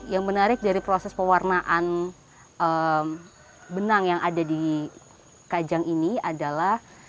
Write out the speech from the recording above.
yang menarik dari proses pewarnaan benang yang ada di kajang ini adalah